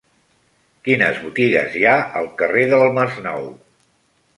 Quines botigues hi ha al carrer del Masnou?